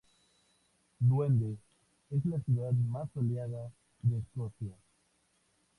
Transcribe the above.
Dundee es la ciudad más soleada de Escocia.